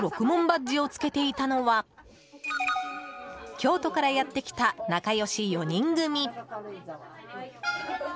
バッジをつけていたのは京都からやってきた仲良し４人組。